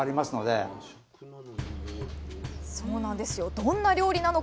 どんな料理なのか。